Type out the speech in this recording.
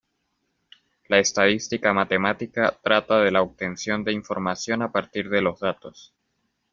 La estadística matemática trata de la obtención de información a partir de los datos.